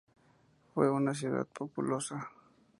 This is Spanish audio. Fue una ciudad populosa.